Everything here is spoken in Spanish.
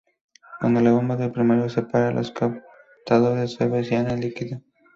Cuando la bomba del primario se para, los captadores se vacían de líquido.